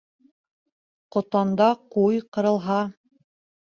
Ҡотанда ҡуй ҡырылһа